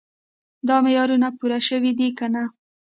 دا معیارونه پوره شوي دي که نه.